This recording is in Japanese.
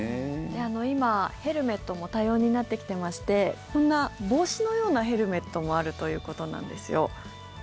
今、ヘルメットも多様になってきてましてこんな帽子のようなヘルメットもあるということなんですよ。